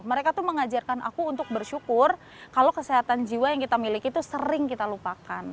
mereka tuh mengajarkan aku untuk bersyukur kalau kesehatan jiwa yang kita miliki itu sering kita lupakan